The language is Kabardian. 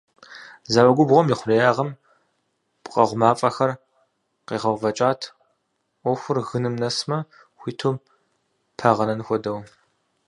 Зауэ губгъуэм и хъуреягъым пкъэкъу мафӏэхэр къегъэувэкӏат, ӏуэхур гыным нэсмэ, хуиту пагъэнэн хуэдэу.